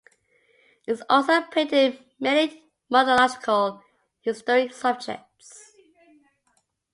He also painted many mythological and historic subjects.